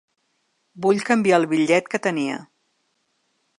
Vull canviar el bitllet que tenia.